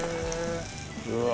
うわ！